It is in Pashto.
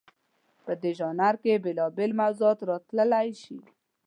په دې ژانر کې بېلابېل موضوعات راتلی شي.